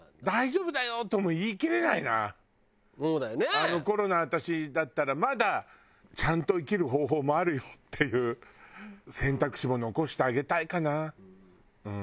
あの頃の私だったらまだちゃんと生きる方法もあるよっていう選択肢も残してあげたいかなうん。